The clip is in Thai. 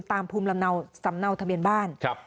ภูมิลำเนาสำเนาทะเบียนบ้าน